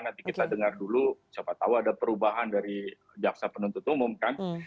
nanti kita dengar dulu siapa tahu ada perubahan dari jaksa penuntut umum kan